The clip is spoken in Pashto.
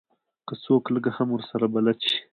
که څوک لږ هم ورسره بلد شي.